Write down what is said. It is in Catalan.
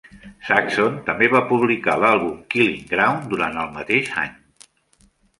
Saxon també va publicar l'àlbum "Killing Ground" durant el mateix any.